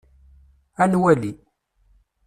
Ad nwali.